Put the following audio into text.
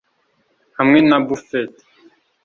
hamwe na buffett